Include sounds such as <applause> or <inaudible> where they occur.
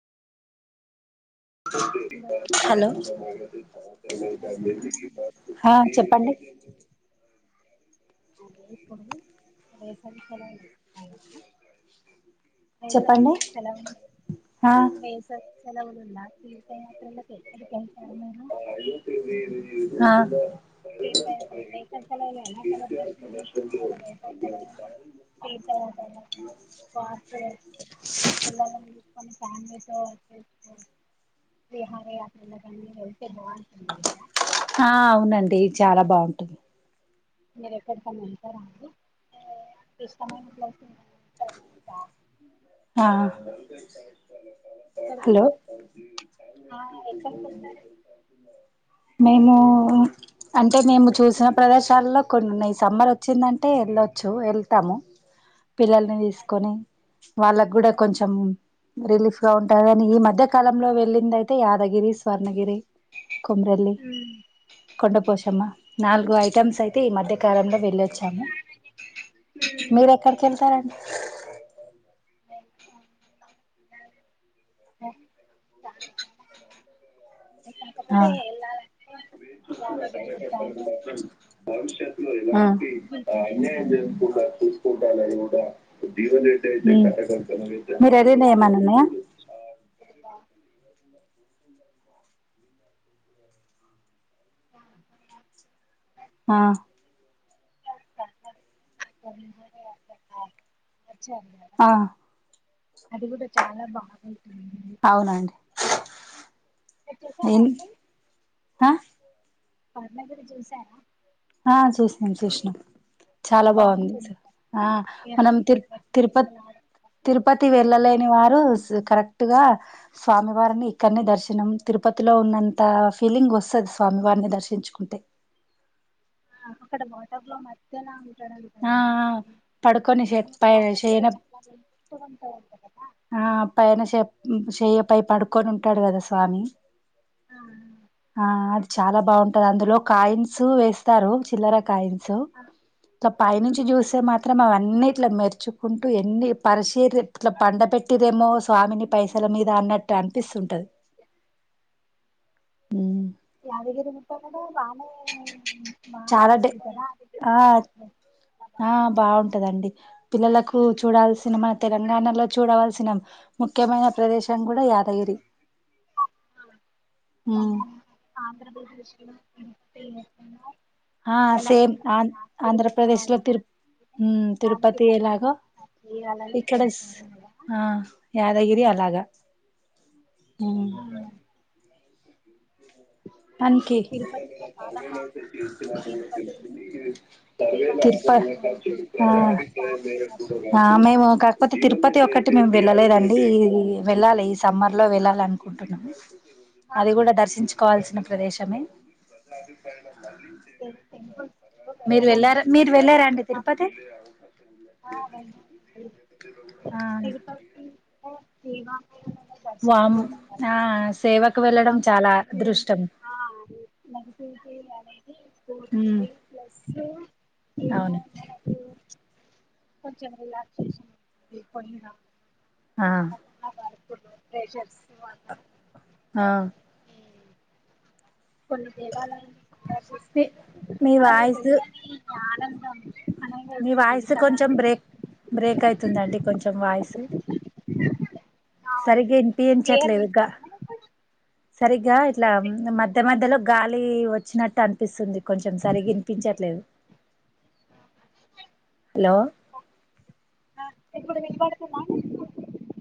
వినబడుతుందా హలో వినిపిస్తుందా ఆ చెప్పండి అదే ఇప్పుడు వేసవి సెలవలు అ వేసవి సెలవలు ఆ వేసవి సెలవలు ఉన్న తీర్థయాత్రలకి ఎక్కడికి వెళ్తారు మీరు ఆ తీర్థ యాత్రలకి వేసవి సెలవలు ఎలా సెలబ్రేషన్ చేసుకుంనారు వేసవి సెలవలు <unintelligible> విహార యాత్రలా హళ్తే బాగుంటంది కదా అంటే చాలా బాగుంటుది మీర ఎక్కడికనా వెంటారండి <unintelligible> ఆ హలో ఆ ఎక్కడికి వెళ్తారు అండి మేము అంటే మేము చూసిన ప్రదేశాలలో కొన్ని సమ్మర్ వచ్చిందంటే వెళ్ళొచ్చు వెళ్తాము పిల్లల్ని తీసుకొని వాళ్ళకు కూడా కొంచెం రిలీఫ్ గా ఉంటదని ఈ మధ్య కాలంలో వెళ్ళింది అయితే యాదగిరి స్వర్ణగిరి కొమ్రలి కొండ పోశమా నాలుగు ఐటమ్స్ అయితే ఈ మధ్యకాలంలో వెళ్ళొచ్చాము మీర ఎక్కడికి వెళ్తారండి అఓ కాకపోతే ఆ వెళ్ళాలి యాదాగిరిగుద్దా ఆ మీరుద ఏమన్న ఉన్నాయా సక ఆ ఆ ఆ, అది కూడా చాలా బాగుంటుంది అవునండి మీరు చూసారా ఏం- అండి ఆ? పండగని చూసారా ఆ చేసినాం చేసినాం చాలా బాగుంది స బాగుంటుంది ఆ మనం తిరు తిరుపతి పిల్లలు ఆడ తిరుపతి వె ల్లలేని వారు కరెక్ట్ గా స్వామివారిని ఇక్కడనే దర్శనం తిరుపతిలో ఉన్నంత ఆ ఫీలింగ్ వస్తది స్వామి వారిని దర్శించుకుంటే అక్కడ వాటర్ లో మధ్యానం ఆ ఆ పడుకొని వాటర్ కూడా చేయన చాలా నీట్గా ఉంటాడంట కదా ఆ పైన చె చెయ్య ప పడుకొని ఉంటాడు కదా స్వామి ఆ ఆ చాలా బాగుంటది అందులో కాయిన్స్ వేస్తారు చిల్లర కాయి న్స్ ఆ, ఇలా పై ఆ. నుంచి చూస్తే మాత్రం త్రం అన్ని ఇట్ల మెరుచుకుంటూ ఎన్ని పరిశీర పండ పెట్టిర్రు ఏమో స్వామిని పైసల మీద అన్నట్టు అనిపిస్తుంటది ఉమ్ యాదగిరి గుట్ట మీద బానే బానే చాలా డే ఉంది కదా అది ఆ విధాన యాత్ర చాలా ఆ బాగా. బాగుంటదండి పిల్లలకు చూడాల్సిన మన తెలంగాణలో చూడవల్సిన ముఖ్యమైన ప్రదేశం కూడా యాదగిరి ఆ, ఉమ్. తెలంగాణ ఆంధ్రప్రదేశ్లో <unintelligible> ఆ సేమ్ ఆం గుట్ట ఆంధ్రప్రదేశ్ లో అలా తిరు అంటే ఉమ్ దానికి తిరుపతి సమాధి ఎలాగో చేయాలని ఇక్కడ చేశారు కదా ఆ యాదగిరి అలాగా ఉమ్ ఆ, మనకి తిరుపతిలో కాలమా తిరుపతి శ్రీవారం తిరుప ఆ మేము కాకపోతే తిరుపతి ఒక మేము వెళ్ళలేదండి ఇది వెళ్ళాలి సమ్మర్ లో వెళ్ళాలి అనుకుంటున్నాము అది కూడా దర్శించుకోవాల్సిన ప్రదేశమే అయితే టెంపుల్స్ మీరు వెళ్ళడం వెళ్లారా మీరు వెళ్ళారా అండి తిరుపతి ఆ వెళ్ళాం అండి ఆ తిరుపతి జీవా వామ్ ఆ సేవ మనలో ఉన్న నటి ఆ నెగిటివిటీ అనేది ఉమ్ పోతుంది ప్లస్ సు అవును కొంచెం రిలాక్సేషన్ ఉంటుంది పైన ఆ ప్రెషర్స్ వల్ల ఆ అండ్ కొన్ని దేవాలయాన్ని మీ సందర్శిస్తారు మీ మనలో వాయిస్ తెలియని ఆనందం అనేది మీ వస్తుంది వాయిస్ కదా కొంచెం అండి బ్రేక్ బ్రేక్ అయితుందండి కొంచెం వాయిస్ నా సరిగ్గా వాయిస్ క్లియర్ వినిపించట్లేదు గా వినిపిస్తుందా సరిగ్గా ఇట్లా ఇప్పుడు మధ్య మధ్యలో గాలి వచ్చినట్టు అనిపిస్తుంది కొంచెం సరిగ్గా వినిపించట్లేదు హలో మా